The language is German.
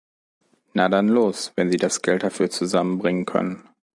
Na dann los, wenn Sie das Geld dafür zusammenbringen können!